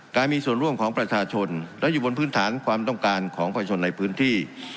การมีส่วนร่วมของประชาชนและอยู่บนพื้นฐานความต้องการของประชาชนในพื้นที่